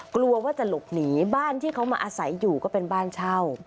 กลัวว่าจะหลบหนีบ้านที่เขามาอาศัยอยู่ก็เป็นบ้านเช่า